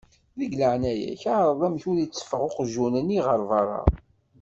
Deg leεnaya-k εreḍ amek ur iteffeɣ uqjun-nni ɣer berra.